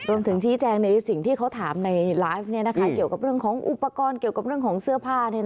รวมถึงชี้แจงในสิ่งที่เขาถามในไลฟ์เกี่ยวกับเรื่องของอุปกรณ์เกี่ยวกับเรื่องของเสื้อผ้า